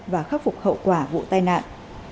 và khắc phục hậu quả vụ tai nạn